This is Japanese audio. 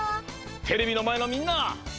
テレビのまえのみんな！